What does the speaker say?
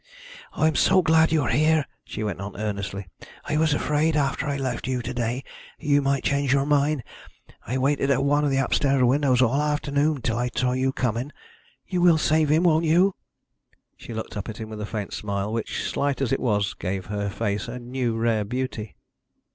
"I am so glad you are here," she went on earnestly. "I was afraid, after I left you to day, that you might change your mind. I waited at one of the upstairs windows all the afternoon till I saw you coming. You will save him, won't you?" She looked up at him with a faint smile, which, slight as it was, gave her face a new rare beauty.